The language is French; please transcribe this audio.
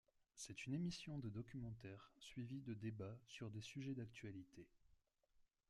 C’est une émission de documentaires suivis de débats sur des sujets d'actualité.